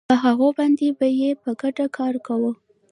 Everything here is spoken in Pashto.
په هغوی باندې به یې په ګډه کار کاوه